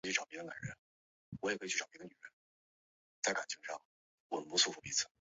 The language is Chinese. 宽叶匐枝蓼为蓼科蓼属下的一个变种。